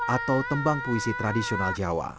atau tembang puisi tradisional jawa